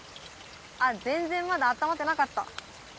あっ全然まだ温まってなかった。